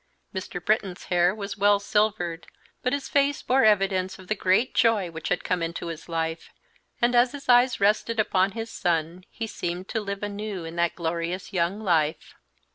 Mr. Britton's hair was well silvered, but his face bore evidence of the great joy which had come into his life, and as his eyes rested upon his son he seemed to live anew in that glorious young life.